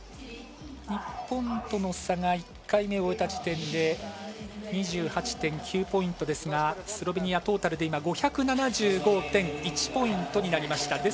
日本との差が１回目終えた時点で２８．９ポイントですがスロベニア、トータルで５７５．１ポイントになりました。